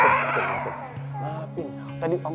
bisa berangkat ke rumah sakit